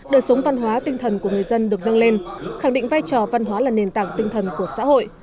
đời sống văn hóa tinh thần của người dân được nâng lên khẳng định vai trò văn hóa là nền tảng tinh thần của xã hội